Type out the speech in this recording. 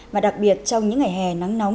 mà đặc biệt trong những ngày hè nắng nóng